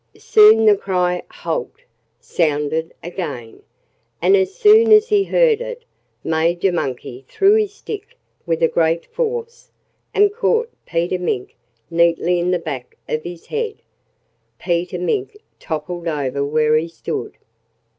Soon the cry, "Halt!" sounded again. And as soon as he heard it, Major Monkey threw his stick with great force and caught Peter Mink neatly in the back of his head. Peter Mink toppled over where he stood.